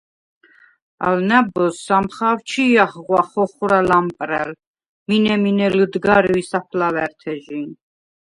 ალ ნა̈ბოზს ამხა̄ვ ჩი̄ ახღვა ხოხვრა ლამპრა̈ლ, მინე-მინე ლჷდგარვი̄ საფლავა̈რთეჟი.